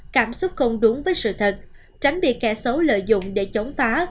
cảm xúc không đúng với sự thật tránh bị kẻ xấu lợi dụng để chống phá